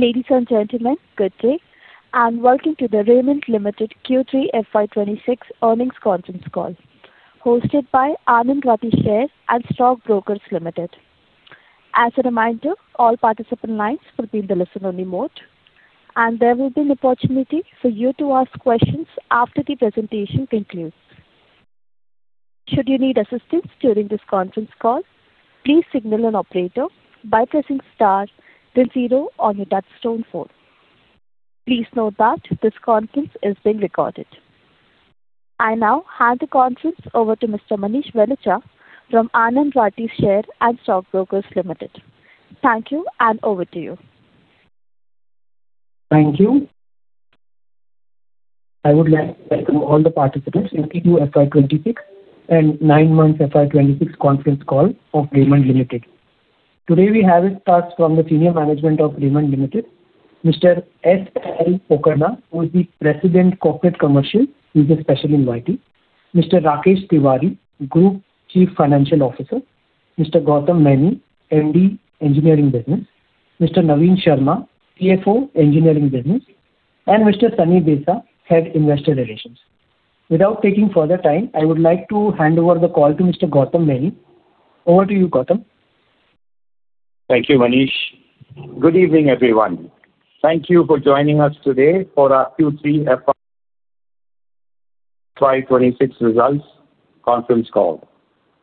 Ladies and gentlemen, good day. Welcome to the Raymond Limited Q3 FY 2026 Earnings Conference Call, hosted by Anand Rathi Shares and Stock Brokers Limited. As a reminder, all participant lines will be in the listen-only mode, and there will be an opportunity for you to ask questions after the presentation concludes. Should you need assistance during this conference call, please signal an operator by pressing star then zero on your touchtone phone. Please note that this conference is being recorded. I now hand the conference over to Mr. Manish Valecha from Anand Rathi Shares and Stock Brokers Limited. Thank you, and over to you. Thank you. I would like to welcome all the participants into Q2 FY 2026 and nine-month FY 2026 Conference Call of Raymond Limited. Today, we have experts from the senior management of Raymond Limited: Mr. S. L. Pokharna, who is the President, Corporate Commercial, he’s a special invitee, Mr. Rakesh Tiwari, Group Chief Financial Officer; Mr. Gautam Maini, MD, Engineering Business; Mr. Navin Sharma, CFO, Engineering Business; and Mr. Sunny Dias, Head of Investor Relations. Without taking further time, I would like to hand over the call to Mr. Gautam Maini. Over to you, Gautam. Thank you, Manish. Good evening, everyone. Thank you for joining us today for our Q3 FY 2026 Results Conference Call.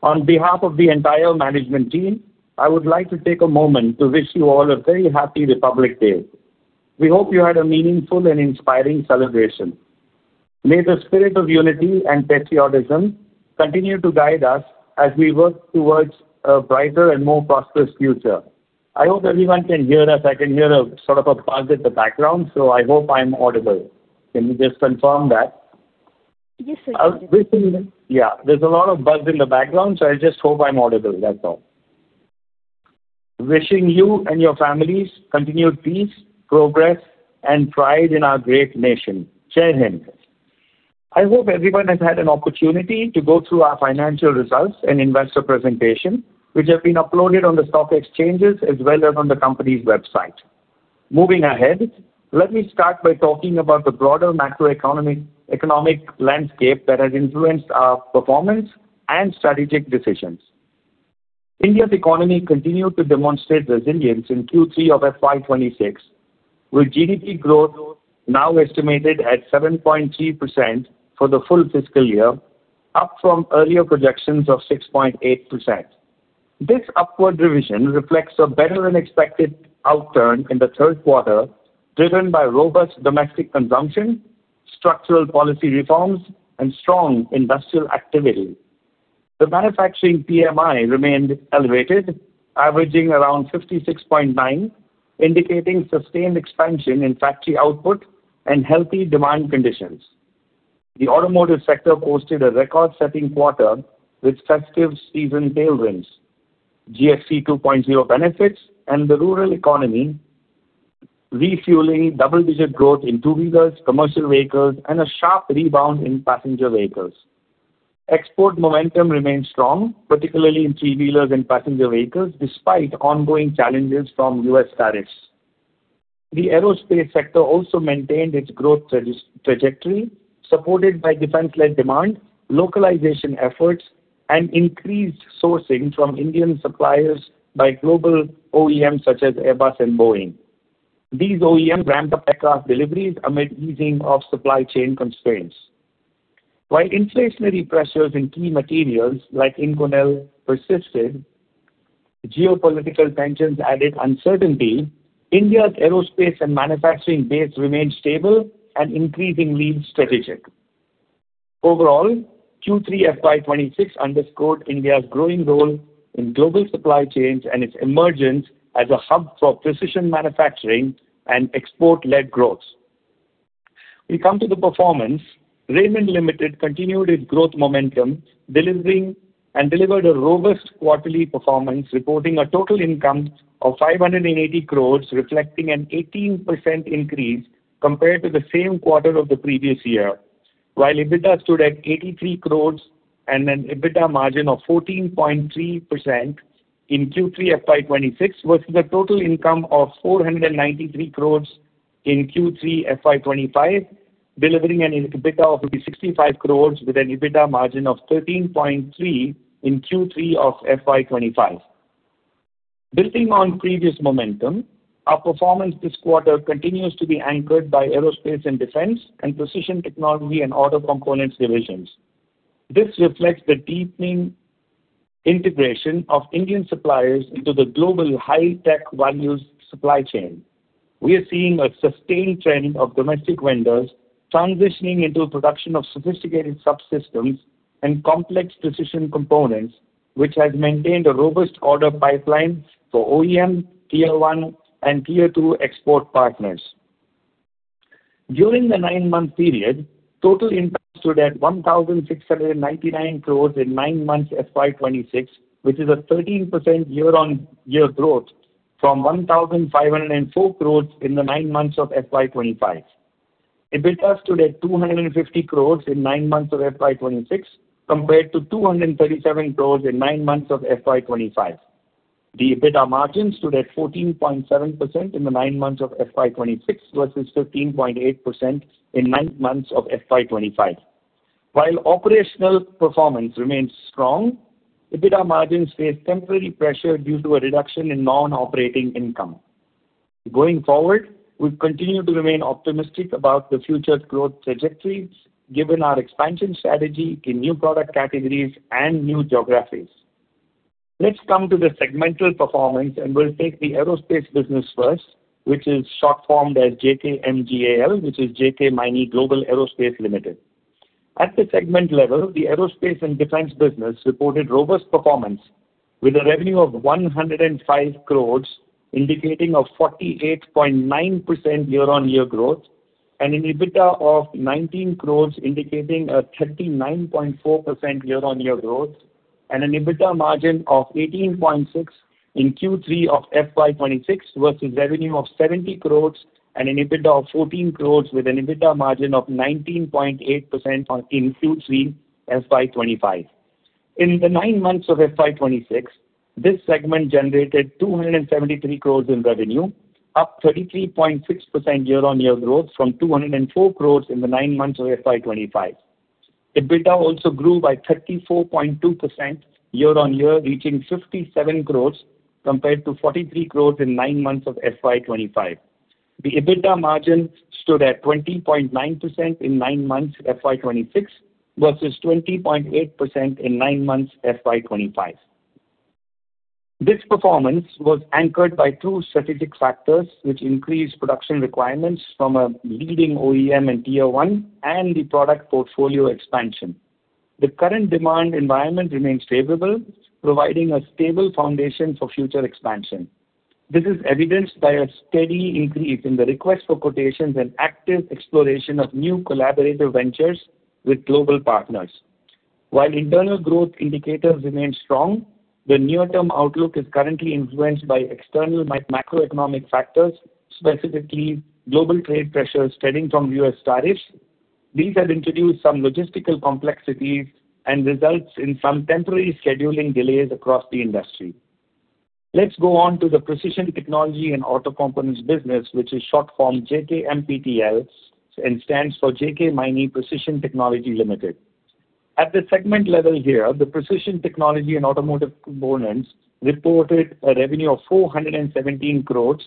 On behalf of the entire management team, I would like to take a moment to wish you all a very happy Republic Day. We hope you had a meaningful and inspiring celebration. May the spirit of unity and patriotism continue to guide us as we work towards a brighter and more prosperous future. I hope everyone can hear us. I can hear a sort of a buzz in the background, so I hope I'm audible. Can you just confirm that? Yes, sir. Yeah. There's a lot of buzz in the background, so I just hope I'm audible. That's all. Wishing you and your families continued peace, progress, and pride in our great nation. Jai Hind. I hope everyone has had an opportunity to go through our financial results and investor presentation, which have been uploaded on the stock exchanges as well as on the company's website. Moving ahead, let me start by talking about the broader macroeconomic landscape that has influenced our performance and strategic decisions. India's economy continued to demonstrate resilience in Q3 of FY 2026, with GDP growth now estimated at 7.3% for the full fiscal year, up from earlier projections of 6.8%. This upward revision reflects a better-than-expected outturn in the third quarter, driven by robust domestic consumption, structural policy reforms, and strong industrial activity. The manufacturing PMI remained elevated, averaging around 56.9, indicating sustained expansion in factory output and healthy demand conditions. The automotive sector posted a record-setting quarter with festive season tailwinds. GFC 2.0 benefits and the rural economy refueling double-digit growth in two-wheelers, commercial vehicles, and a sharp rebound in passenger vehicles. Export momentum remained strong, particularly in three-wheelers and passenger vehicles, despite ongoing challenges from U.S. tariffs. The aerospace sector also maintained its growth trajectory, supported by defense-led demand, localization efforts, and increased sourcing from Indian suppliers by global OEMs such as Airbus and Boeing. These OEMs ramped up aircraft deliveries amid easing of supply chain constraints. While inflationary pressures in key materials like Inconel persisted, geopolitical tensions added uncertainty, India's aerospace and manufacturing base remained stable and increasingly strategic. Overall, Q3 FY 2026 underscored India's growing role in global supply chains and its emergence as a hub for precision manufacturing and export-led growth. We come to the performance. Raymond Limited continued its growth momentum, delivering and delivered a robust quarterly performance, reporting a total income of 580 crores, reflecting an 18% increase compared to the same quarter of the previous year, while EBITDA stood at 83 crores and an EBITDA margin of 14.3% in Q3 FY 2026, with a total income of 493 crores in Q3 FY 2025, delivering an EBITDA of 65 crores, with an EBITDA margin of 13.3% in Q3 of FY 2025. Building on previous momentum, our performance this quarter continues to be anchored by aerospace and defense and precision technology and auto components divisions. This reflects the deepening integration of Indian suppliers into the global high-tech values supply chain. We are seeing a sustained trend of domestic vendors transitioning into production of sophisticated subsystems and complex precision components, which has maintained a robust order pipeline for OEM, Tier 1, and Tier 2 export partners. During the nine-month period, total income stood at 1,699 crores in nine months FY 2026, which is a 13% year-on-year growth from 1,504 crores in the nine months of FY 2025. EBITDA stood at 250 crores in nine months of FY 2026, compared to 237 crores in nine months of FY 2025. The EBITDA margins stood at 14.7% in the nine months of FY 2026 versus 15.8% in nine months of FY 2025. While operational performance remains strong, EBITDA margins face temporary pressure due to a reduction in non-operating income. Going forward, we continue to remain optimistic about the future growth trajectory, given our expansion strategy in new product categories and new geographies. Let's come to the segmental performance, and we'll take the aerospace business first, which is short formed as JKMGAL, which is JK Maini Global Aerospace Limited. At the segment level, the aerospace and defense business reported robust performance, with a revenue of 105 crores, indicating a 48.9% year-on-year growth, an EBITDA of 19 crores, indicating a 39.4% year-on-year growth, and an EBITDA margin of 18.6% in Q3 of FY 2026 versus revenue of 70 crores and an EBITDA of 14 crores, with an EBITDA margin of 19.8% in Q3 FY 2025. In the nine months of FY 2026, this segment generated 273 crores in revenue, up 33.6% year-on-year growth from 204 crores in the nine months of FY 2025. EBITDA also grew by 34.2% year-on-year, reaching 57 crores compared to 43 crores in nine months of FY 2025. The EBITDA margin stood at 20.9% in nine months FY 2026 versus 20.8% in nine months FY 2025. This performance was anchored by two strategic factors, which increased production requirements from a leading OEM and Tier 1 and the product portfolio expansion. The current demand environment remains favorable, providing a stable foundation for future expansion. This is evidenced by a steady increase in the request for quotations and active exploration of new collaborative ventures with global partners. While internal growth indicators remain strong, the near-term outlook is currently influenced by external macroeconomic factors, specifically global trade pressures stemming from U.S. tariffs. These have introduced some logistical complexities and result in some temporary scheduling delays across the industry. Let's go on to the precision technology and auto components business, which is short form JKMPTL and stands for JK Maini Precision Technology Limited. At the segment level here, the precision technology and automotive components reported a revenue of 417 crores,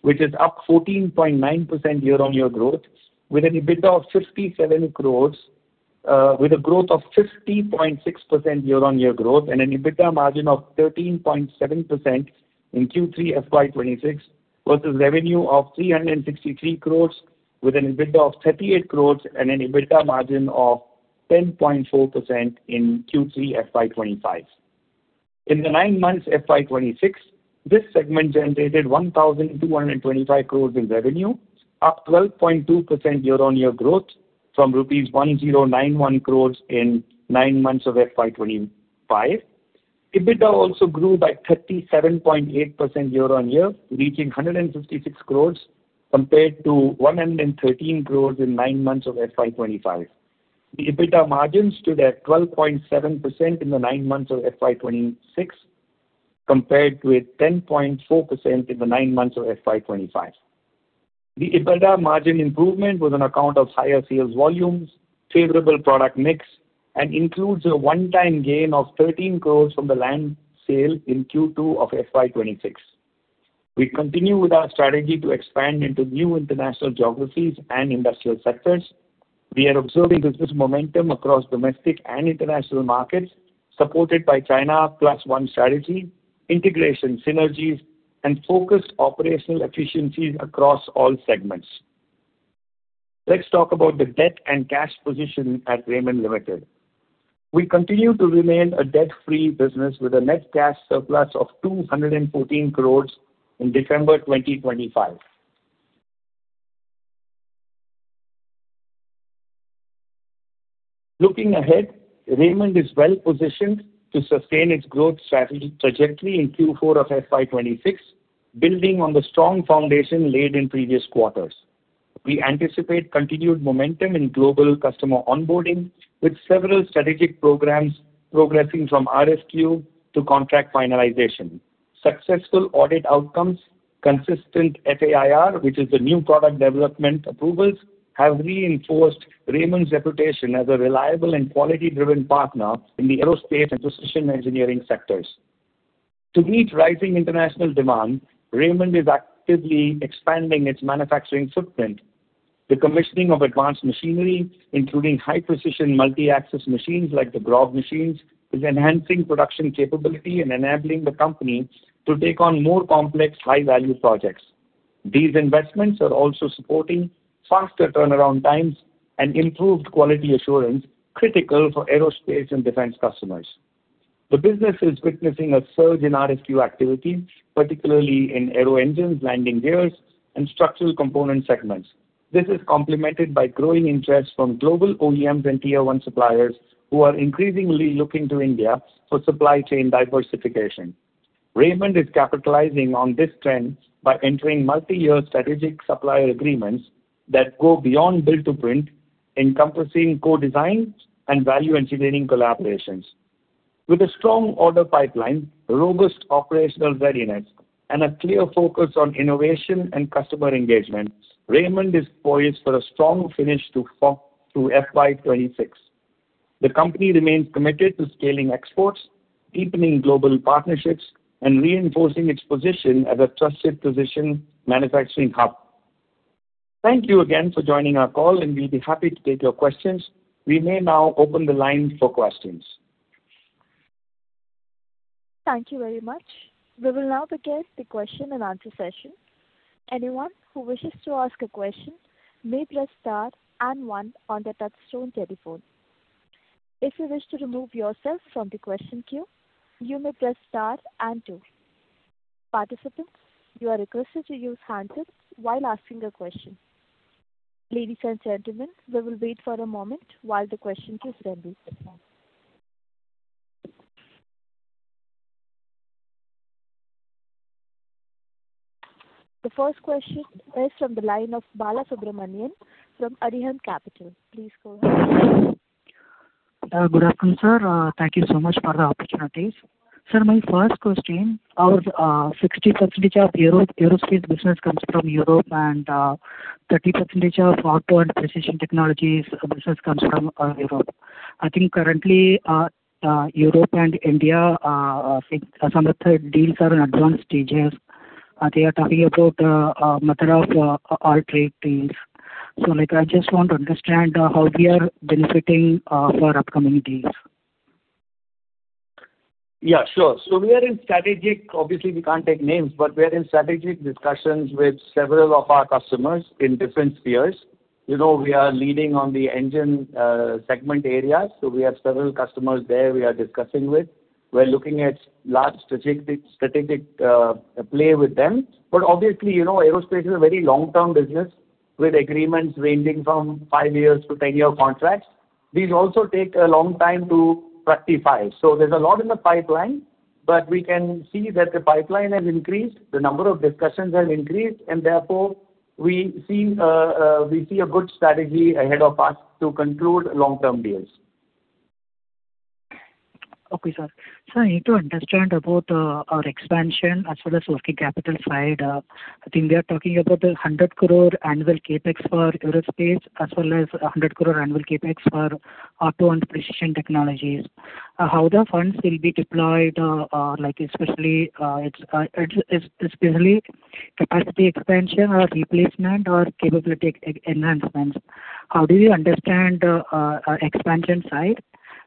which is up 14.9% year-on-year growth, with an EBITDA of 57 crores, with a growth of 50.6% year-on-year growth, and an EBITDA margin of 13.7% in Q3 FY 2026 versus revenue of 363 crores, with an EBITDA of 38 crores, and an EBITDA margin of 10.4% in Q3 FY 2025. In the nine months FY 2026, this segment generated 1,225 crores in revenue, up 12.2% year-on-year growth from rupees 1,091 crores in nine months of FY 2025. EBITDA also grew by 37.8% year-on-year, reaching 156 crores compared to 113 crores in nine months of FY 2025. The EBITDA margin stood at 12.7% in the nine months of FY 2026, compared with 10.4% in the nine months of FY 2025. The EBITDA margin improvement was on account of higher sales volumes, favorable product mix, and includes a one-time gain of 13 crore from the land sale in Q2 of FY 2026. We continue with our strategy to expand into new international geographies and industrial sectors. We are observing business momentum across domestic and international markets, supported by China Plus One strategy, integration synergies, and focused operational efficiencies across all segments. Let's talk about the debt and cash position at Raymond Limited. We continue to remain a debt-free business with a net cash surplus of 214 crore in December 2025. Looking ahead, Raymond is well-positioned to sustain its growth trajectory in Q4 of FY 2026, building on the strong foundation laid in previous quarters. We anticipate continued momentum in global customer onboarding, with several strategic programs progressing from RFQ to contract finalization. Successful audit outcomes, consistent FAI, which is the new product development approvals, have reinforced Raymond's reputation as a reliable and quality-driven partner in the aerospace and precision engineering sectors. To meet rising international demand, Raymond is actively expanding its manufacturing footprint. The commissioning of advanced machinery, including high-precision multi-access machines like the Grob machines, is enhancing production capability and enabling the company to take on more complex, high-value projects. These investments are also supporting faster turnaround times and improved quality assurance, critical for aerospace and defense customers. The business is witnessing a surge in RFQ activity, particularly in aero engines, landing gears, and structural component segments. This is complemented by growing interest from global OEMs and Tier 1 suppliers who are increasingly looking to India for supply chain diversification. Raymond is capitalizing on this trend by entering multi-year strategic supplier agreements that go beyond build-to-print, encompassing co-design and value engineering collaborations. With a strong order pipeline, robust operational readiness, and a clear focus on innovation and customer engagement, Raymond is poised for a strong finish to FY 2026. The company remains committed to scaling exports, deepening global partnerships, and reinforcing its position as a trusted precision manufacturing hub. Thank you again for joining our call, and we'll be happy to take your questions. We may now open the line for questions. Thank you very much. We will now begin the question and answer session. Anyone who wishes to ask a question may press star and 1 on the touch-tone telephone. If you wish to remove yourself from the question queue, you may press star and 2. Participants, you are requested to use the handset while asking a question. Ladies and gentlemen, we will wait for a moment while the question queue is ready. The first question is from the line of Balasubramanian from Arihant Capital. Please go ahead. Good afternoon, sir. Thank you so much for the opportunities. Sir, my first question. Our 60% of aerospace business comes from Europe, and 30% of auto and precision technologies business comes from Europe. I think currently, Europe and India are some of the deals are in advanced stages. They are talking about a matter of all trade deals. So I just want to understand how we are benefiting for upcoming deals. Yeah, sure. So we are in strategic, obviously, we can't take names, but we are in strategic discussions with several of our customers in different spheres. We are leading on the engine segment area, so we have several customers there we are discussing with. We're looking at large strategic play with them. But obviously, aerospace is a very long-term business, with agreements ranging from 5 years to 10-year contracts. These also take a long time to rectify. So there's a lot in the pipeline, but we can see that the pipeline has increased, the number of discussions have increased, and therefore, we see a good strategy ahead of us to conclude long-term deals. Okay, sir. So I need to understand about our expansion as far as working capital side. I think we are talking about the 100 crore annual CapEx for aerospace, as well as INR 100 crore annual CapEx for auto and precision technologies. How the funds will be deployed, especially capacity expansion or replacement or capability enhancements. How do you understand the expansion side?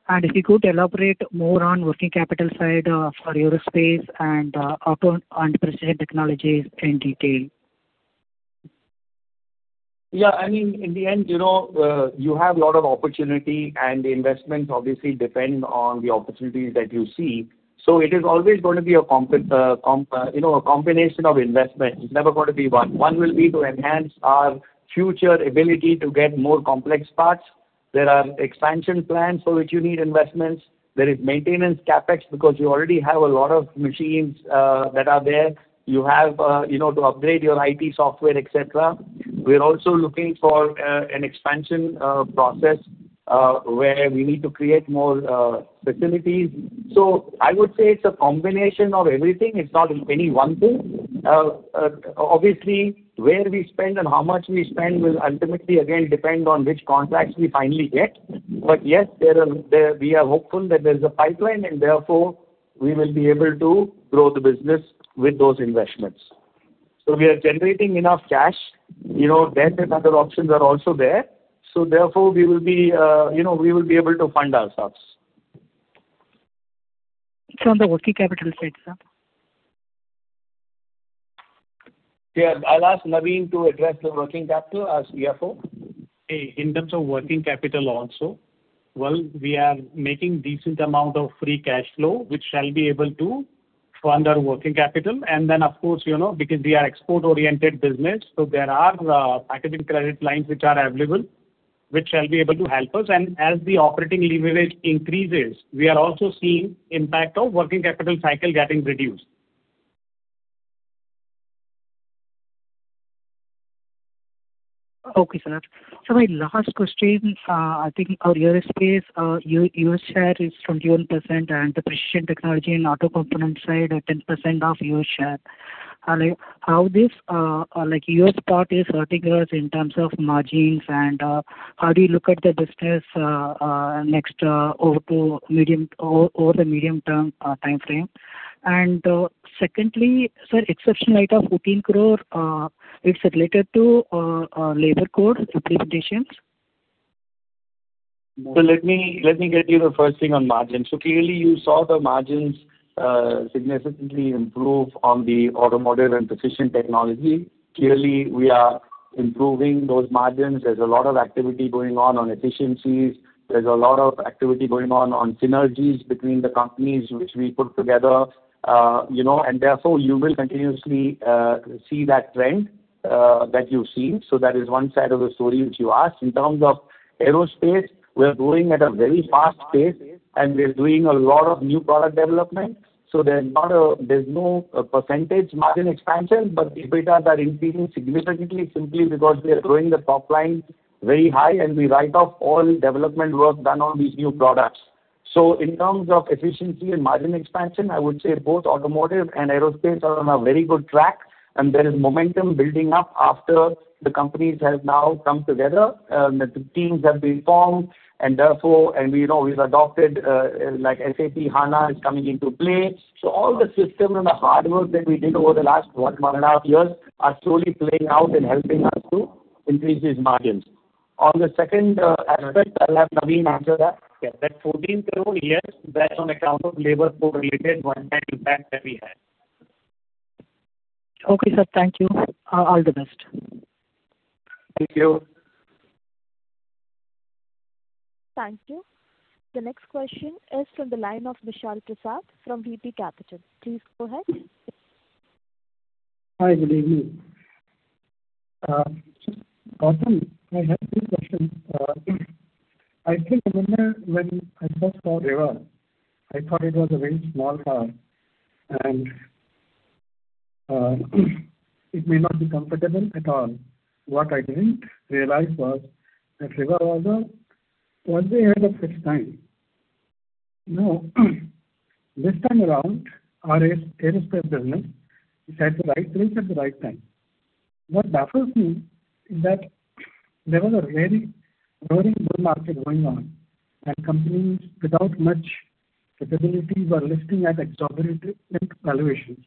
And if you could elaborate more on working capital side for aerospace and auto and precision technologies in detail. Yeah, I mean, in the end, you have a lot of opportunity, and the investments obviously depend on the opportunities that you see. So it is always going to be a combination of investments. It's never going to be one. One will be to enhance our future ability to get more complex parts. There are expansion plans for which you need investments. There is maintenance CapEx because you already have a lot of machines that are there. You have to upgrade your IT software, etc. We're also looking for an expansion process where we need to create more facilities. So I would say it's a combination of everything. It's not any one thing. Obviously, where we spend and how much we spend will ultimately, again, depend on which contracts we finally get. But yes, we are hopeful that there's a pipeline, and therefore, we will be able to grow the business with those investments. So we are generating enough cash. Debt and other options are also there. So therefore, we will be able to fund ourselves. It's on the working capital side, sir. Yeah, I'll ask Naveen to address the working capital as CFO. In terms of working capital also, well, we are making a decent amount of free cash flow, which shall be able to fund our working capital. And then, of course, because we are an export-oriented business, so there are packaging credit lines which are available, which shall be able to help us. And as the operating leverage increases, we are also seeing the impact of the working capital cycle getting reduced. Okay, sir. So my last question, I think our aerospace US share is 21%, and the precision technology and auto component side are 10% of US share. How US part is hurting us in terms of margins, and how do you look at the business over the medium-term timeframe? And secondly, sir, exceptionally of 14 crore, it's related to labor code implementations. So let me get you the first thing on margins. So clearly, you saw the margins significantly improve on the automotive and precision technology. Clearly, we are improving those margins. There's a lot of activity going on on efficiencies. There's a lot of activity going on on synergies between the companies which we put together. And therefore, you will continuously see that trend that you've seen. So that is one side of the story which you asked. In terms of aerospace, we're growing at a very fast pace, and we're doing a lot of new product development. So there's no percentage margin expansion, but the EBITDAs are increasing significantly simply because we are growing the top line very high, and we write off all development work done on these new products. So in terms of efficiency and margin expansion, I would say both automotive and aerospace are on a very good track, and there is momentum building up after the companies have now come together. The teams have been formed, and we've adopted SAP HANA is coming into play. So all the systems and the hard work that we did over the last one and a half years are slowly playing out and helping us to increase these margins. On the second aspect, I'll have Naveen answer that. That 14 crore, yes, that's on account of labor code-related one-time impact that we had. Okay, sir. Thank you. All the best. Thank you. Thank you. The next question is from the line of Vishal Prasad from VP Capital. Please go ahead. Hi, good evening. Gautam, I have two questions. I think when I first saw Reva, I thought it was a very small car, and it may not be comfortable at all. What I didn't realize was that Reva was way ahead of its time. Now, this time around, our aerospace business decided to ride trains at the right time. What baffles me is that there was a very roaring bull market going on, and companies without much capability were listing at exorbitant valuations.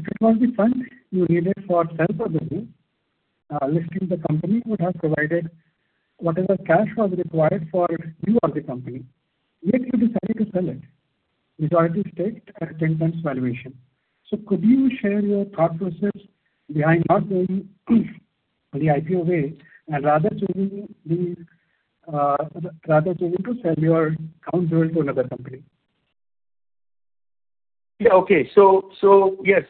If it was the fund you needed for sale of the business, listing the company would have provided whatever cash was required for you or the company. Yet you decided to sell it, majority stake at 10x valuation. So could you share your thought process behind not going the IPO way and rather choosing to sell your account to another company? Yeah, okay. So yes,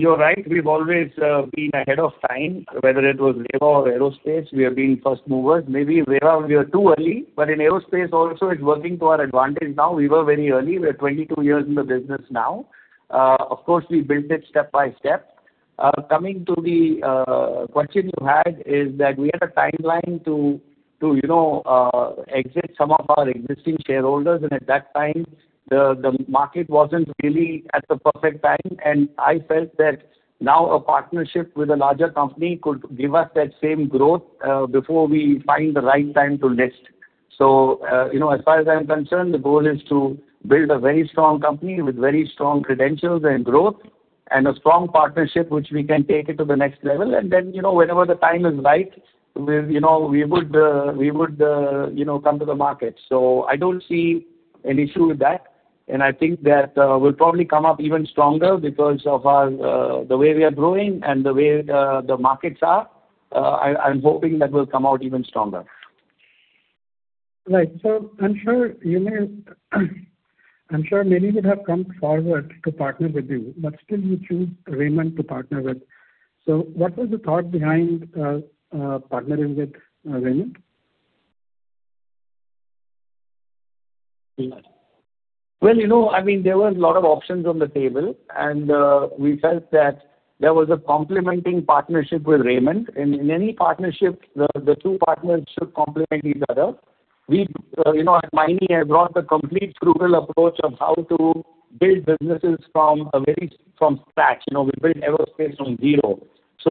you're right. We've always been ahead of time. Whether it was Reva or aerospace, we have been first movers. Maybe Reva we were too early, but in aerospace also, it's working to our advantage now. We were very early. We are 22 years in the business now. Of course, we built it step by step. Coming to the question you had is that we had a timeline to exit some of our existing shareholders, and at that time, the market wasn't really at the perfect time. I felt that now a partnership with a larger company could give us that same growth before we find the right time to list. As far as I'm concerned, the goal is to build a very strong company with very strong credentials and growth and a strong partnership which we can take it to the next level. Then whenever the time is right, we would come to the market. I don't see an issue with that. I think that we'll probably come up even stronger because of the way we are growing and the way the markets are. I'm hoping that we'll come out even stronger. Right. So I'm sure many would have come forward to partner with you, but still you chose Raymond to partner with. So what was the thought behind partnering with Raymond? Well, I mean, there were a lot of options on the table, and we felt that there was a complementing partnership with Raymond. And in any partnership, the two partners should complement each other. At Maini, I brought the complete fundamental approach of how to build businesses from scratch. We built aerospace from zero.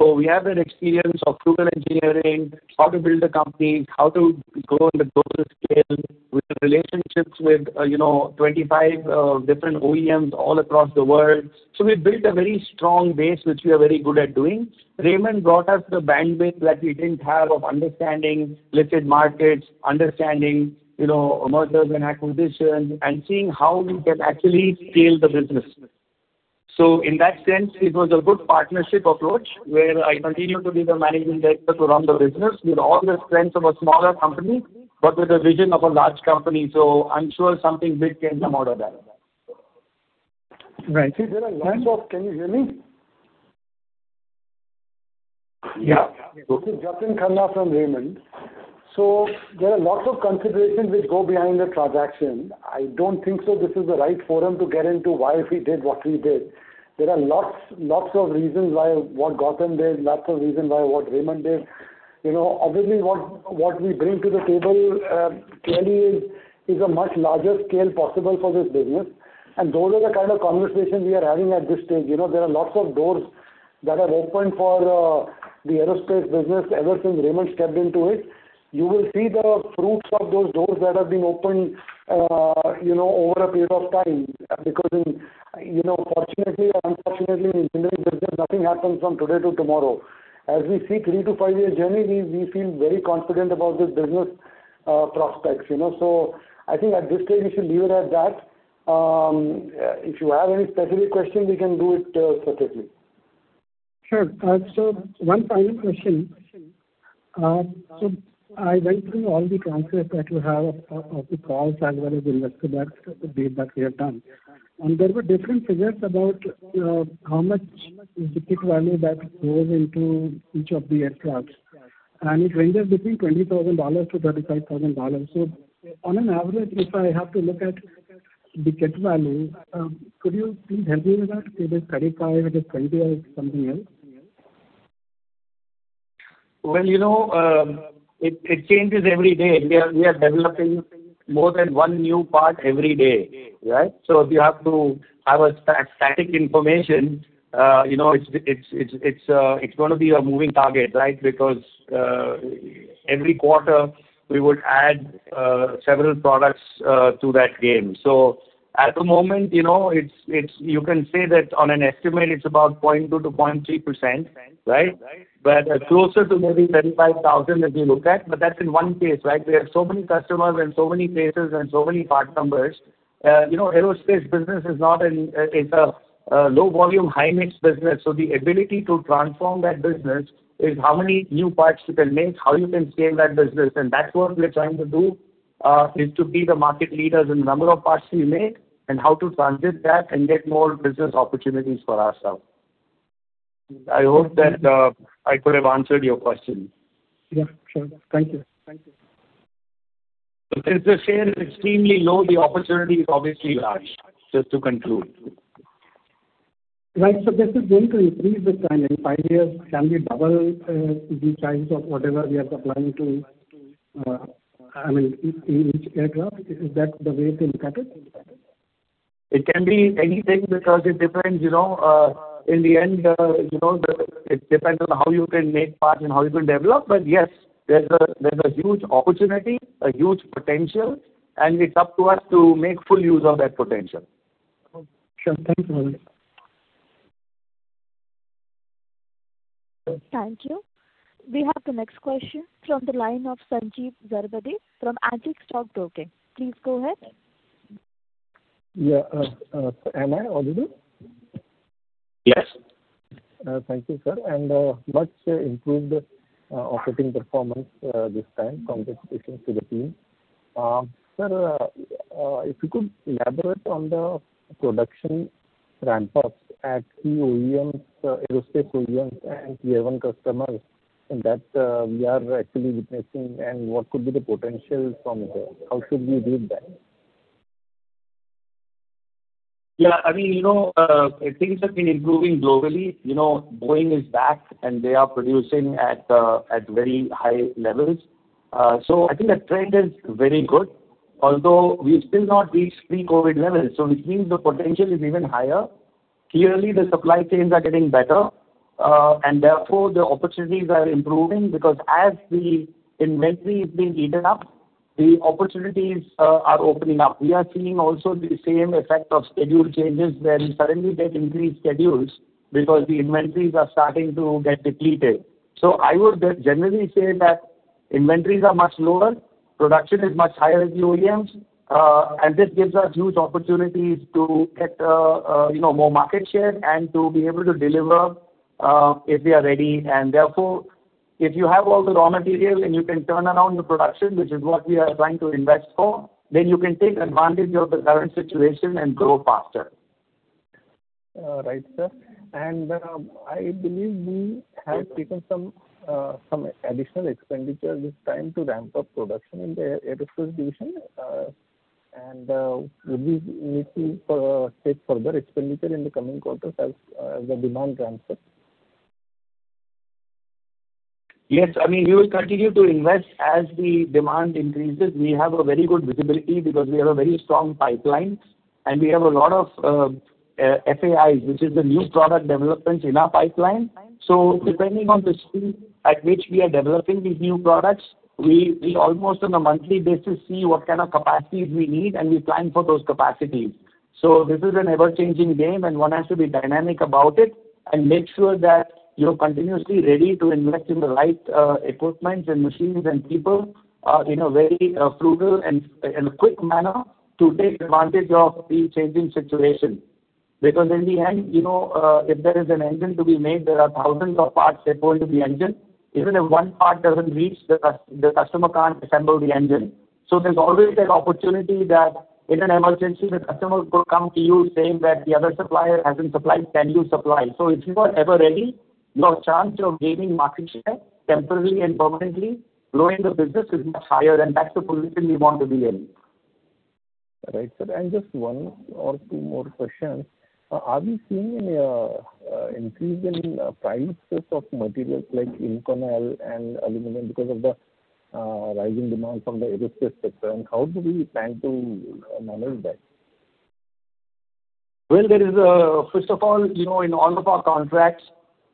So we have that experience of fundamental engineering, how to build the companies, how to grow on the global scale with relationships with 25 different OEMs all across the world. So we built a very strong base, which we are very good at doing. Raymond brought us the bandwidth that we didn't have of understanding listed markets, understanding mergers and acquisitions, and seeing how we can actually scale the business. So in that sense, it was a good partnership approach where I continued to be the managing director to run the business with all the strengths of a smaller company, but with the vision of a large company. So I'm sure something big can come out of that. Right. Is there a line? Can you hear me? Yeah. This is Jatin Khanna from Raymond. So there are lots of considerations which go behind the transaction. I don't think so this is the right forum to get into why we did what we did. There are lots of reasons why what Gautam did, lots of reasons why what Raymond did. Obviously, what we bring to the table clearly is a much larger scale possible for this business. And those are the kind of conversations we are having at this stage. There are lots of doors that have opened for the aerospace business ever since Raymond stepped into it. You will see the fruits of those doors that have been opened over a period of time because fortunately or unfortunately, in the engineering business, nothing happens from today to tomorrow. As we see 3-5-year journey, we feel very confident about the business prospects. So I think at this stage, we should leave it at that. If you have any specific question, we can do it separately. Sure. So one final question. So I went through all the transcripts that you have of the calls as well as investor deals that we have done. There were different figures about how much is the tick value that goes into each of the aircrafts. It ranges between $20,000-$35,000. So on an average, if I have to look at the tick value, could you please help me with that? Is it 35, is it 20, or something else? Well, it changes every day. We are developing more than one new part every day, right? So if you have to have a static information, it's going to be a moving target, right? Because every quarter, we would add several products to that game. So at the moment, you can say that on an estimate, it's about 0.2%-0.3%, right? But closer to maybe 35,000 if you look at. But that's in one case, right? We have so many customers and so many cases and so many part numbers. Aerospace business is not a low-volume, high-mix business. So the ability to transform that business is how many new parts you can make, how you can scale that business. And that's what we're trying to do is to be the market leaders in the number of parts we make and how to transition that and get more business opportunities for ourselves. I hope that I could have answered your question. Yeah, sure. Thank you. So since the share is extremely low, the opportunity is obviously large. Just to conclude. Right. So this is going to increase with time. In five years, can we double the size of whatever we are supplying to, I mean, each aircraft? Is that the way to look at it? It can be anything because it depends. In the end, it depends on how you can make parts and how you can develop. But yes, there's a huge opportunity, a huge potential, and it's up to us to make full use of that potential. Sure. Thank you very much. Thank you. We have the next question from the line of Sanjeev Zarbade from Antique Stock Broking. Please go ahead. Yeah. Am I audible? Yes. Thank you, sir. And much improved operating performance this time from the participation to the team. Sir, if you could elaborate on the production ramp-ups at aerospace OEMs and Tier 1 customers that we are actually witnessing and what could be the potential from there. How should we do that? Yeah. I mean, things have been improving globally. Boeing is back, and they are producing at very high levels. So I think the trend is very good, although we've still not reached pre-COVID levels, so which means the potential is even higher. Clearly, the supply chains are getting better, and therefore, the opportunities are improving because as the inventory is being eaten up, the opportunities are opening up. We are seeing also the same effect of schedule changes where suddenly they've increased schedules because the inventories are starting to get depleted. So I would generally say that inventories are much lower, production is much higher at the OEMs, and this gives us huge opportunities to get more market share and to be able to deliver if we are ready. And therefore, if you have all the raw material and you can turn around your production, which is what we are trying to invest for, then you can take advantage of the current situation and grow faster. Right, sir. And I believe we have taken some additional expenditure this time to ramp up production in the aerospace division. Would we need to take further expenditure in the coming quarters as the demand ramps up? Yes. I mean, we will continue to invest as the demand increases. We have a very good visibility because we have a very strong pipeline, and we have a lot of FAIs, which is the new product developments in our pipeline. So depending on the speed at which we are developing these new products, we almost on a monthly basis see what kind of capacities we need, and we plan for those capacities. So this is an ever-changing game, and one has to be dynamic about it and make sure that you're continuously ready to invest in the right equipment and machines and people in a very frugal and quick manner to take advantage of the changing situation. Because in the end, if there is an engine to be made, there are thousands of parts that go into the engine. Even if one part doesn't reach, the customer can't assemble the engine. So there's always that opportunity that in an emergency, the customer could come to you saying that the other supplier hasn't supplied. Can you supply? So if you are ever ready, your chance of gaining market share temporarily and permanently growing the business is much higher and back to position we want to be in. Right, sir. And just one or two more questions. Are we seeing an increase in the prices of materials like Inconel and aluminum because of the rising demand from the aerospace sector? And how do we plan to manage that? Well, first of all, in all of our contracts,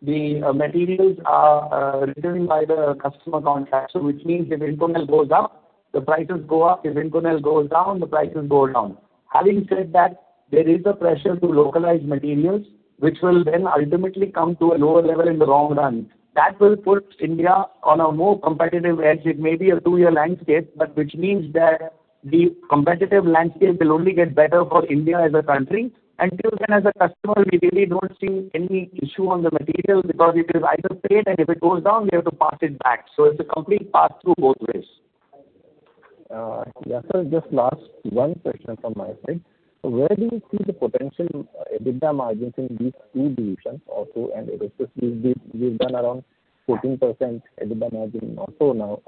the materials are written by the customer contractor, which means if Inconel goes up, the prices go up. If Inconel goes down, the prices go down. Having said that, there is a pressure to localize materials, which will then ultimately come to a lower level in the long run. That will put India on a more competitive edge. It may be a two-year landscape, but which means that the competitive landscape will only get better for India as a country. Until then, as a customer, we really don't see any issue on the material because it is either paid, and if it goes down, we have to pass it back. So it's a complete pass-through both ways. Yeah, sir. Just last one question from my side. Where do you see the potential EBITDA margins in these two divisions also? And aerospace, we've done around 14% EBITDA margin also now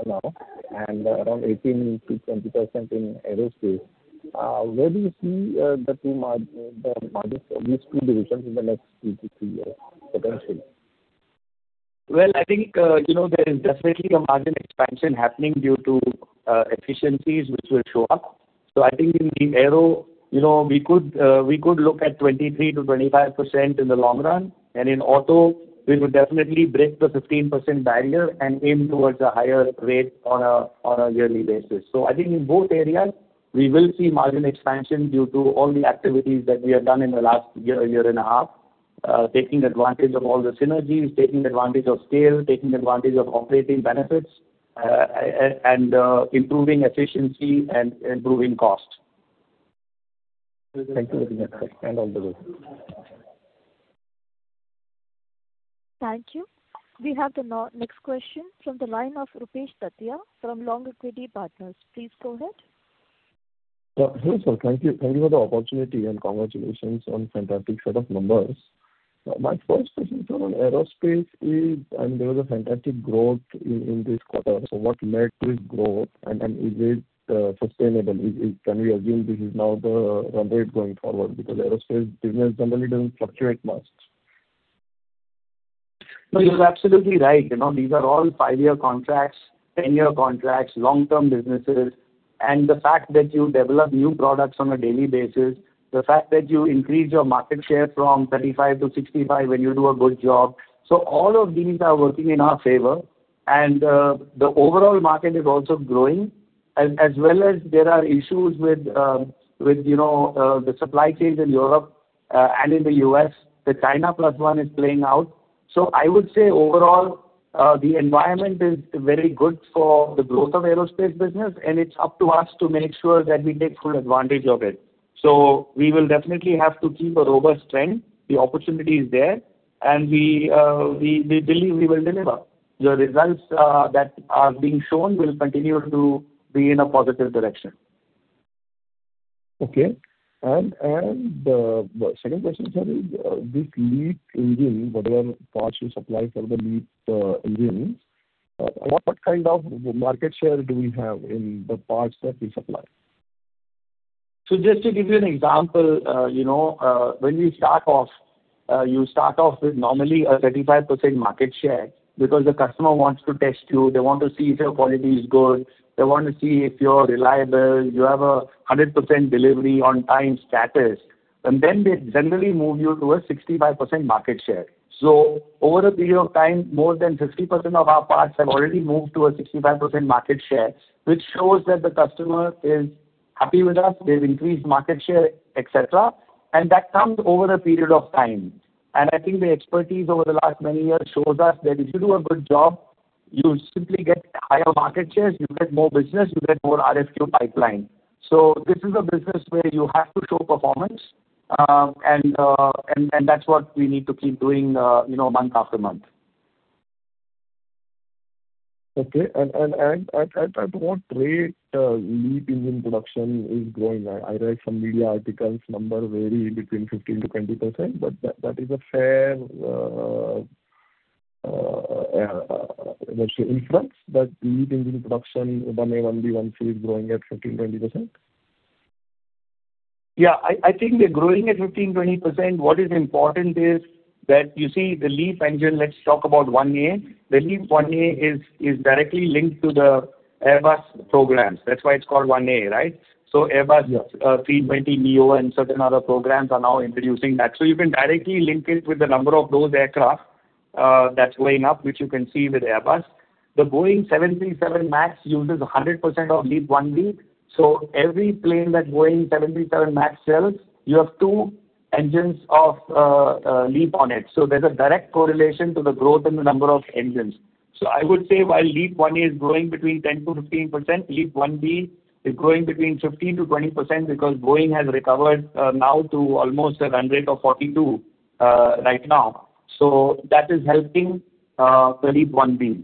and around 18%-20% in aerospace. Where do you see the margins for these two divisions in the next 2-3 years potentially? Well, I think there is definitely a margin expansion happening due to efficiencies which will show up. So I think in aero, we could look at 23%-25% in the long run. And in auto, we would definitely break the 15% barrier and aim towards a higher rate on a yearly basis. So I think in both areas, we will see margin expansion due to all the activities that we have done in the last year and a half, taking advantage of all the synergies, taking advantage of scale, taking advantage of operating benefits, and improving efficiency and improving cost. Thank you very much, sir. And all the best. Thank you. We have the next question from the line of Rupesh Tatiya from Long Equity Partners. Please go ahead. Sure, sir. Thank you. Thank you for the opportunity and congratulations on a fantastic set of numbers. My first question, sir, on aerospace is, I mean, there was a fantastic growth in this quarter. So what led to this growth? And is it sustainable? Can we assume this is now the run rate going forward? Because aerospace business normally doesn't fluctuate much. No, you're absolutely right. These are all five-year contracts, ten-year contracts, long-term businesses. And the fact that you develop new products on a daily basis, the fact that you increase your market share from 35 to 65 when you do a good job. So all of these are working in our favor. And the overall market is also growing, as well as there are issues with the supply chains in Europe and in the U.S. The China Plus One is playing out. So I would say overall, the environment is very good for the growth of the aerospace business, and it's up to us to make sure that we take full advantage of it. So we will definitely have to keep a robust trend. The opportunity is there, and we believe we will deliver. The results that are being shown will continue to be in a positive direction. Okay. And the second question, sir, is this LEAP engine, whatever parts you supply for the LEAP engine, what kind of market share do we have in the parts that we supply? Just to give you an example, when you start off, you start off with normally a 35% market share because the customer wants to test you. They want to see if your quality is good. They want to see if you're reliable. You have a 100% delivery on time status. And then they generally move you to a 65% market share. So over a period of time, more than 50% of our parts have already moved to a 65% market share, which shows that the customer is happy with us. They've increased market share, etc. And that comes over a period of time. And I think the expertise over the last many years shows us that if you do a good job, you simply get higher market shares, you get more business, you get more RFQ pipeline. So this is a business where you have to show performance, and that's what we need to keep doing month after month. Okay. And at what rate LEAP engine production is growing? I read some media articles. Numbers vary between 15%-20%, but that is a fair inference that LEAP engine production by name only once is growing at 15%-20%? Yeah. I think they're growing at 15%-20%. What is important is that you see the LEAP engine, let's talk about 1A. The LEAP-1A is directly linked to the Airbus programs. That's why it's called 1A, right? So Airbus A320neo and certain other programs are now introducing that. So you can directly link it with the number of those aircraft that's going up, which you can see with Airbus. The Boeing 737 MAX uses 100% of LEAP-1B. So every plane that Boeing 737 MAX sells, you have two engines of LEAP on it. So there's a direct correlation to the growth in the number of engines. So I would say while LEAP-1A is growing between 10%-15%, LEAP-1B is growing between 15%-20% because Boeing has recovered now to almost a run rate of 42 right now. So that is helping the LEAP-1B.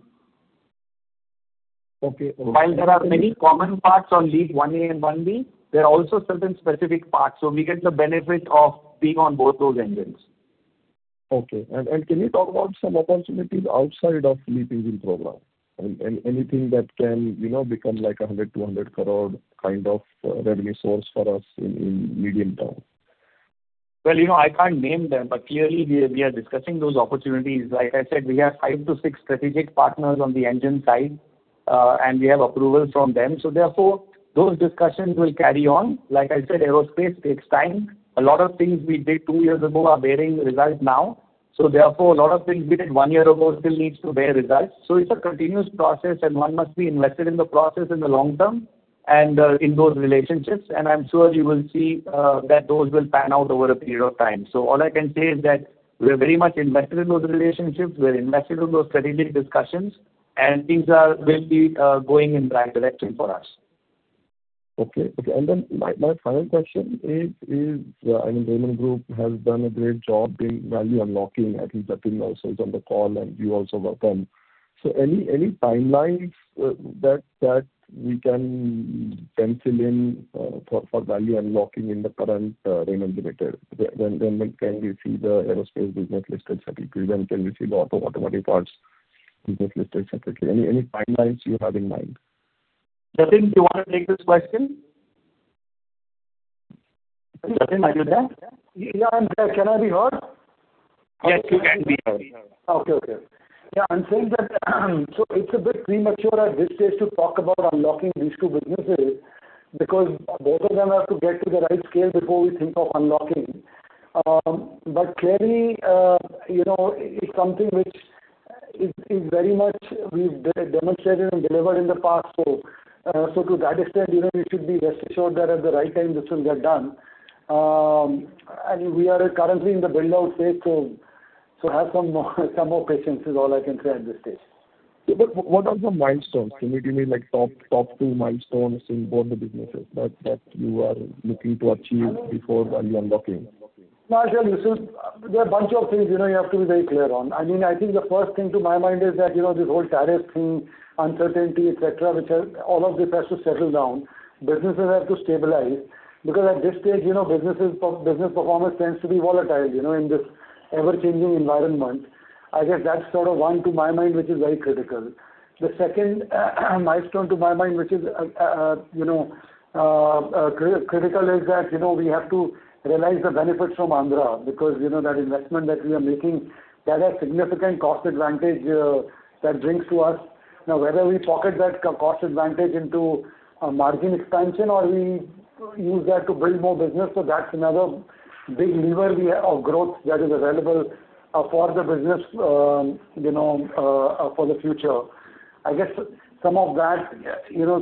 While there are many common parts on LEAP-1A and 1B, there are also certain specific parts. So we get the benefit of being on both those engines. Okay. And can you talk about some opportunities outside of LEAP engine program? I mean, anything that can become like a 100-200 crore kind of revenue source for us in medium term? Well, I can't name them, but clearly we are discussing those opportunities. Like I said, we have 5-6 strategic partners on the engine side, and we have approvals from them. So therefore, those discussions will carry on. Like I said, aerospace takes time. A lot of things we did two years ago are bearing results now. So therefore, a lot of things we did one year ago still need to bear results. So it's a continuous process, and one must be invested in the process in the long term and in those relationships. And I'm sure you will see that those will pan out over a period of time. So all I can say is that we're very much invested in those relationships. We're invested in those strategic discussions, and things will be going in the right direction for us. Okay. Okay. And then my final question is, I mean, Raymond Group has done a great job in value unlocking. I think Jatin also is on the call, and you also welcome. So any timelines that we can pencil in for value unlocking in the current Raymond Limited? When can we see the aerospace business listed separately? When can we see the auto automotive parts business listed separately? Any timelines you have in mind? Jatin, do you want to take this question? Jatin, are you there? Yeah, I'm there. Can I be heard? Yes, you can be heard. Okay. Okay. Yeah. I'm saying that so it's a bit premature at this stage to talk about unlocking these two businesses because both of them have to get to the right scale before we think of unlocking. But clearly, it's something which is very much we've demonstrated and delivered in the past. So to that extent, we should be rest assured that at the right time, this will get done. We are currently in the build-out phase, so have some more patience is all I can say at this stage. Yeah. But what are the milestones? Can you give me top two milestones in both the businesses that you are looking to achieve before value unlocking? No, sir. There are a bunch of things you have to be very clear on. I mean, I think the first thing to my mind is that this whole tariff thing, uncertainty, etc., which all of this has to settle down. Businesses have to stabilize because at this stage, business performance tends to be volatile in this ever-changing environment. I guess that's sort of one to my mind, which is very critical. The second milestone to my mind, which is critical, is that we have to realize the benefits from Andhra because that investment that we are making, that has significant cost advantage that brings to us. Now, whether we pocket that cost advantage into margin expansion or we use that to build more business, so that's another big lever of growth that is available for the business for the future. I guess some of that,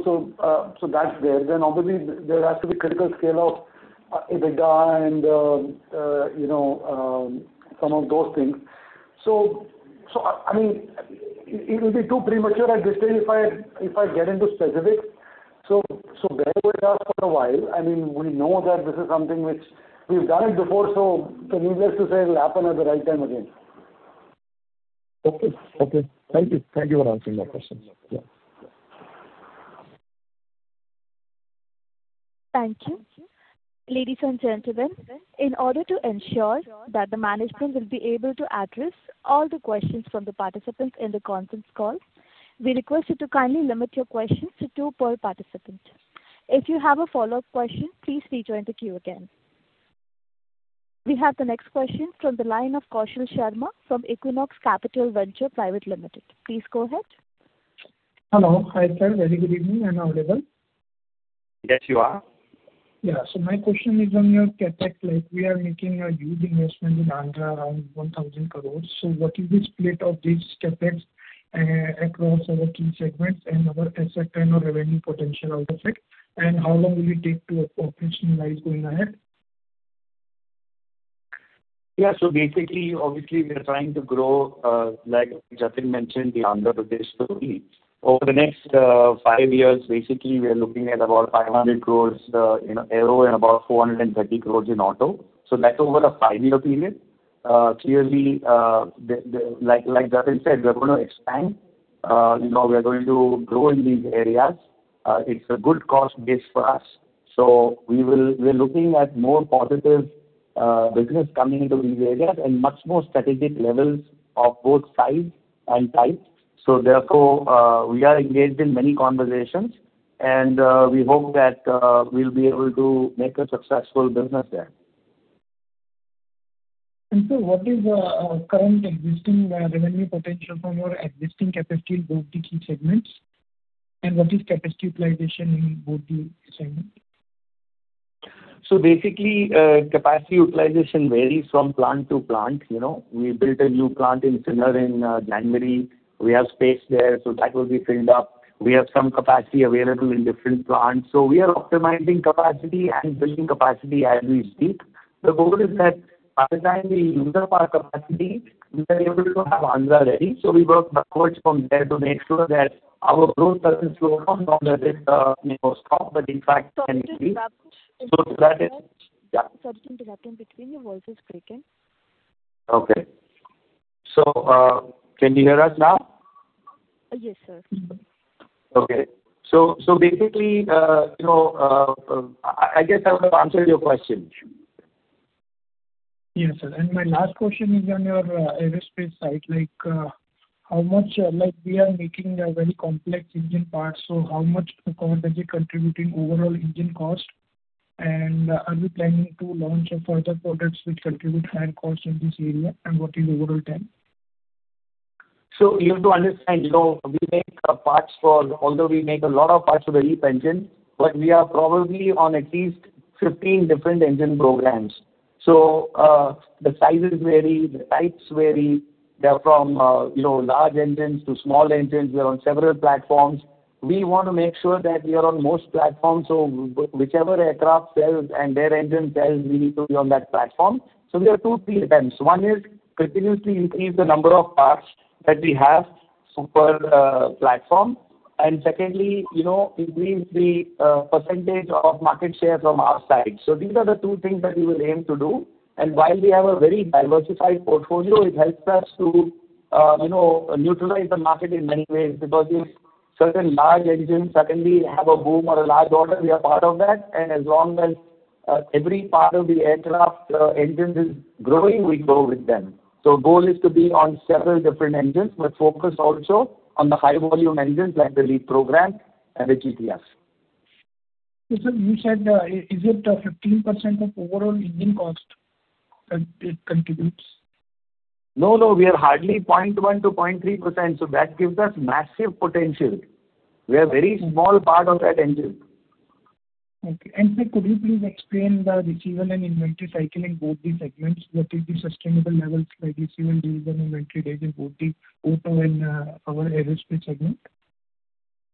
so that's there. Then obviously, there has to be critical scale of EBITDA and some of those things. So I mean, it will be too premature at this stage if I get into specifics. So bear with us for a while. I mean, we know that this is something which we've done it before, so needless to say, it will happen at the right time again. Okay. Okay. Thank you. Thank you for answering my questions. Yeah. Thank you. Ladies and gentlemen, in order to ensure that the management will be able to address all the questions from the participants in the conference call, we request you to kindly limit your questions to 2 per participant. If you have a follow-up question, please rejoin the queue again. We have the next question from the line of Kaustubh Sharma from Equinox Capital Venture Private Limited. Please go ahead. Hello. Hi, sir. Very good evening. I'm available. Yes, you are. Yeah. So my question is on your CapEx. We are making a huge investment in Andhra around 1,000 crores. So what is the split of these CapEx across our key segments and our asset and our revenue potential out of it? And how long will it take to operationalize going ahead? Yeah. So basically, obviously, we are trying to grow, like Jatin mentioned, the Andhra business too over the next five years. Basically, we are looking at about INR 500 crore in aero and about 430 crore in auto. So that's over a five-year period. Clearly, like Jatin said, we're going to expand. We're going to grow in these areas. It's a good cost base for us. So we're looking at more positive business coming into these areas and much more strategic levels of both size and type. So therefore, we are engaged in many conversations, and we hope that we'll be able to make a successful business there. And so what is the current existing revenue potential from your existing CapEx in both the key segments? And what is CapEx utilization in both the segments? So basically, capacity utilization varies from plant to plant. We built a new plant in Sinnar in January. We have space there, so that will be filled up. We have some capacity available in different plants. So we are optimizing capacity and building capacity as we speak. The goal is that by the time we use up our capacity, we are able to have Andhra Pradesh ready. So we work backwards from there to make sure that our growth doesn't slow down or doesn't stop, but in fact, can increase. So that is. Yeah. Sorry to interrupt. In between, your voice is breaking. Okay. So can you hear us now? Yes, sir. Okay. So basically, I guess I would have answered your question. Yes, sir. And my last question is on your aerospace side. How much we are making a very complex engine part, so how much are you contributing overall engine cost? Are we planning to launch further products which contribute higher cost in this area? What is overall time? You have to understand, we make parts for although we make a lot of parts for the LEAP engine, but we are probably on at least 15 different engine programs. The sizes vary. The types vary. They are from large engines to small engines. We are on several platforms. We want to make sure that we are on most platforms. Whichever aircraft sells and their engine sells, we need to be on that platform. There are two key attempts. One is continuously increase the number of parts that we have per platform. Secondly, increase the percentage of market share from our side. These are the two things that we will aim to do. While we have a very diversified portfolio, it helps us to neutralize the market in many ways because if certain large engines suddenly have a boom or a large order, we are part of that. And as long as every part of the aircraft engines is growing, we grow with them. So the goal is to be on several different engines, but focus also on the high-volume engines like the LEAP program and the GTS. So sir, you said is it 15% of overall engine cost that it contributes? No, no. We are hardly 0.1%-0.3%. So that gives us massive potential. We are a very small part of that engine. Okay. And sir, could you please explain the receivables and inventory cycle in both the segments? What is the sustainable levels by receivables, delivery, and inventory days in both the auto and our aerospace segment?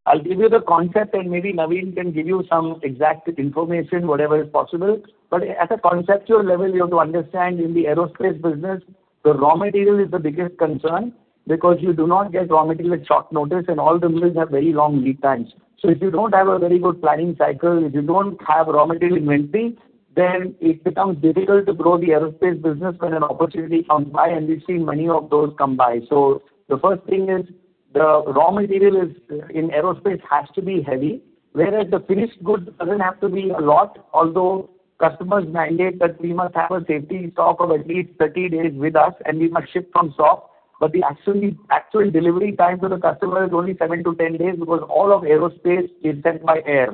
I'll give you the concept, and maybe Naveen can give you some exact information, whatever is possible. But at a conceptual level, you have to understand in the aerospace business, the raw material is the biggest concern because you do not get raw material at short notice, and all the mills have very long lead times. So if you don't have a very good planning cycle, if you don't have raw material inventory, then it becomes difficult to grow the aerospace business when an opportunity comes by, and we've seen many of those come by. So the first thing is the raw material in aerospace has to be heavy, whereas the finished goods doesn't have to be a lot, although customers mandate that we must have a safety stock of at least 30 days with us, and we must ship from stock. But the actual delivery time to the customer is only 7-10 days because all of aerospace is sent by air.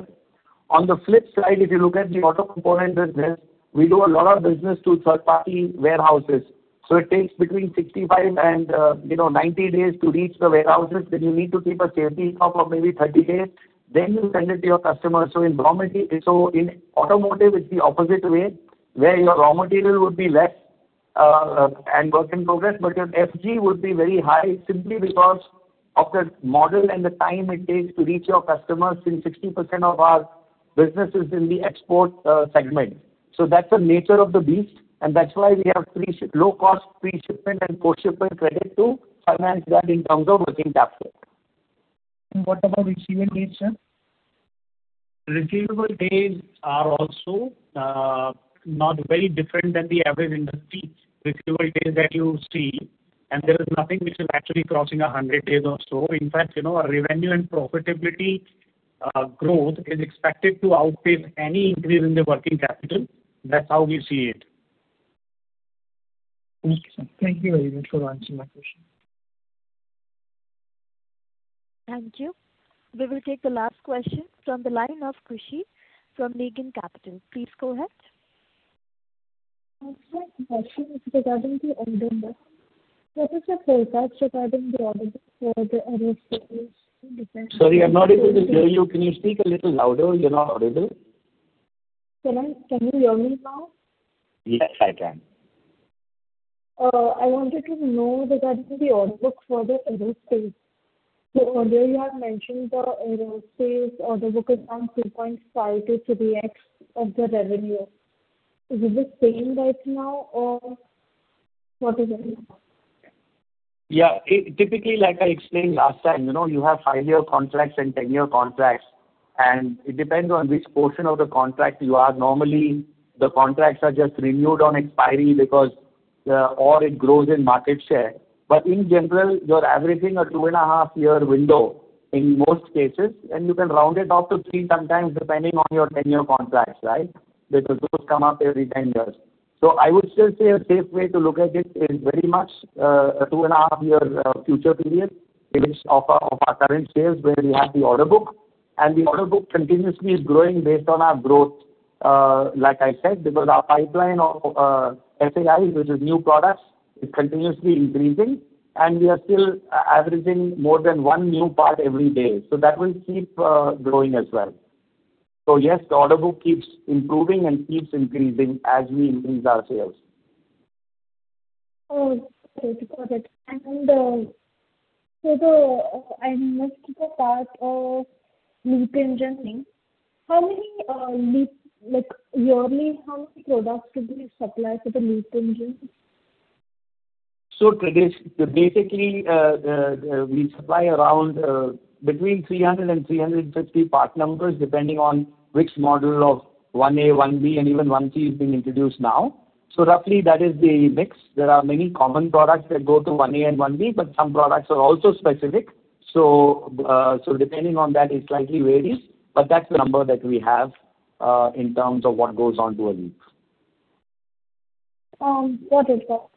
On the flip side, if you look at the auto component business, we do a lot of business to third-party warehouses. So it takes between 65-90 days to reach the warehouses. Then you need to keep a safety stock of maybe 30 days. Then you send it to your customer. So in automotive, it's the opposite way, where your raw material would be less and work in progress, but your FG would be very high simply because of the model and the time it takes to reach your customers, since 60% of our business is in the export segment. So that's the nature of the beast, and that's why we have low-cost pre-shipment and post-shipment credit to finance that in terms of working capital. What about receivable days, sir? Receivable days are also not very different than the average industry receivable days that you see, and there is nothing which is actually crossing 100 days or so. In fact, our revenue and profitability growth is expected to outpace any increase in the working capital. That's how we see it. Thank you, sir. Thank you very much for answering my question. Thank you. We will take the last question from the line of from Morgan Capital. Please go ahead. My question is regarding the order book. What is your forecast regarding the order book for the aerospace? Sorry, I'm not able to hear you. Can you speak a little louder? You're not audible. Can you hear me now? Yes, I can. I wanted to know regarding the order book for the aerospace. So earlier you had mentioned the aerospace order book is around 2.5x-3x of the revenue. Is it the same right now, or what is it? Yeah. Typically, like I explained last time, you have 5-year contracts and 10-year contracts. And it depends on which portion of the contract you are. Normally, the contracts are just renewed on expiry because or it grows in market share. But in general, you're averaging a 2.5-year window in most cases, and you can round it up to 3 sometimes depending on your 10-year contracts, right? Because those come up every 10 years. So I would still say a safe way to look at it is very much a 2.5-year future period finished of our current sales where we have the order book. And the order book continuously is growing based on our growth, like I said, because our pipeline of FAIs, which is new products, is continuously increasing, and we are still averaging more than 1 new part every day. So that will keep growing as well. So yes, the order book keeps improving and keeps increasing as we increase our sales. Oh, great. Got it. And so the mix keeps a part of LEAP engines. How many LEAP yearly, how many products do we supply for the LEAP engines? So basically, we supply around between 300-350 part numbers depending on which model of 1A, 1B, and even 1C is being introduced now. So roughly, that is the mix. There are many common products that go to 1A and 1B, but some products are also specific. So depending on that, it slightly varies. But that's the number that we have in terms of what goes onto a LEAP. Got it. Thank you.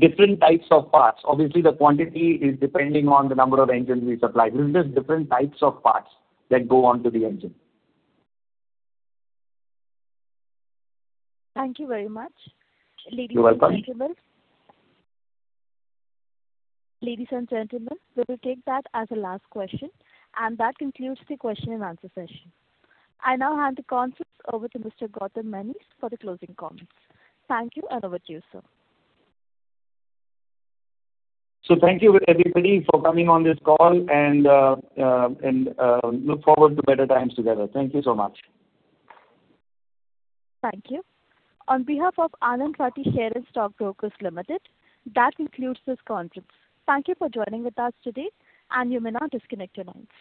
Different types of parts. Obviously, the quantity is depending on the number of engines we supply. This is just different types of parts that go onto the engine. Thank you very much. Ladies and gentlemen. You're welcome. Ladies and gentlemen, we will take that as a last question, and that concludes the question and answer session. I now hand the conference over to Mr. Gautam Maini for the closing comments. Thank you, and over to you, sir. So thank you, everybody, for coming on this call, and look forward to better times together. Thank you so much. Thank you. On behalf of Anand Rathi Shares and Stock Brokers Limited, that concludes this conference. Thank you for joining with us today, and you may now disconnect at any time.